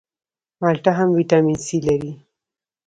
مالټه هم ویټامین سي لري